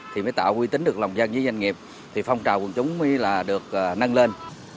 thì mới tạo quy tính được lòng dân với doanh nghiệp thì phong trào quân chúng mới là được nâng lên